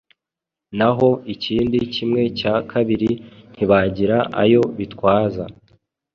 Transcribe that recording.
Naho ikindi kimwe cya kabiri ntibagira ayo bitwaza